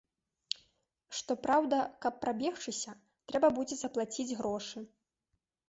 Што праўда, каб прабегчыся, трэба будзе заплаціць грошы.